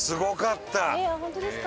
本当ですか？